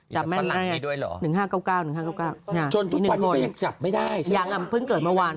จนทุกปัจจุก็ยังจับไม่ได้ยังเพิ่งเกิดเมื่อวาน